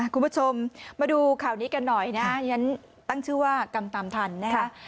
คุณผู้ชมมาดูข่าวนี้กันหน่อยนะฉันตั้งชื่อว่ากรรมตามทันนะฮะ